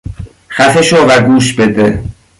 خفه شو و گوش بده!